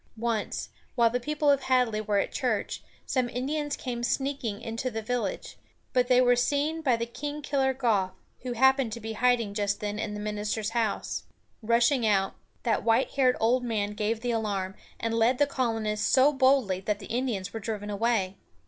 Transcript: Once, while the people of Hadley were at church, some Indians came sneaking into the village; but they were seen by the king killer Goffe, who happened to be hiding just then in the minister's house. Rushing out, that white haired old man gave the alarm, and led the colonists so boldly that the Indians were driven away.